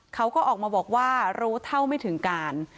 เขาก็ออกมาบอกว่ารู้เท่าไม่ถึงการ